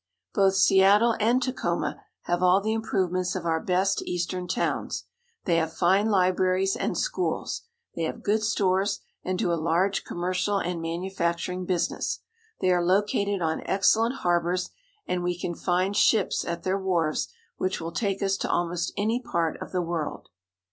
Both Seattle and Tacoma have all the improvements of our best eastern towns. They have fine libraries and schools. They have good stores, and do a large commer cial and manufacturing business. They are located on excellent harbors, and we can find ships at their wharves which will take us to almost any part of the world.